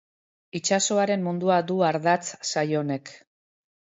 Itsasoaren mundua du ardatz saio honek.